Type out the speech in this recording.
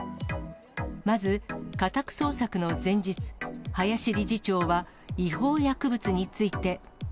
まず、家宅捜索の前日、林理事長は違法薬物について。